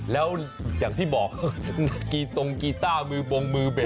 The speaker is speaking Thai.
แล้วอย่างที่บอกกีตรงกีต้ามือบงมือเบส